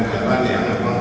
kebun yang jatuh